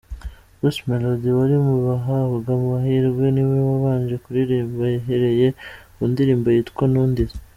Bruce Melody wari mu bahabwa amahirwe niwe wabanje kuririmba yahereye ku ndirimbo yitwa ‘Ntundize’.